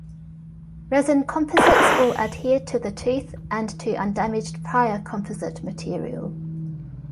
Resin composites will adhere to the tooth and to undamaged prior composite material.